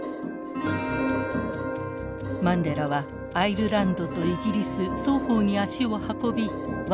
マンデラはアイルランドとイギリス双方に足を運び和平を訴えた。